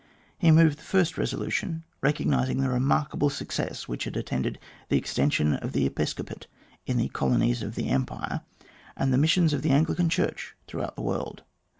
He moved the first resolution, recognising the remark able success which had attended the extension of the episcopate in the colonies of the Empire and the missions of the Anglican Church throughout the world.